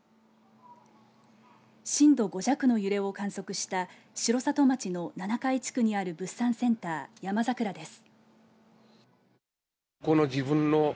震度５弱の揺れを観測した城里町の七会地区にある物産センター山桜です。